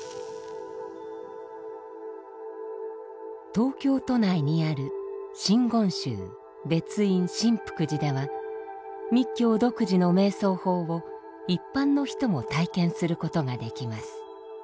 東京都内にある真言宗別院真福寺では密教独自の瞑想法を一般の人も体験することができます。